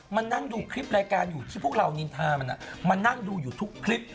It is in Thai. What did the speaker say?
มานั่งดูคลิปรายการอยู่ที่พวกเรานินทามันมานั่งดูอยู่ทุกคลิป